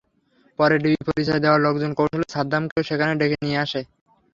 পরে ডিবি পরিচয় দেওয়া লোকজন কৌশলে সাদ্দামকেও সেখানে ডেকে নিয়ে আসে।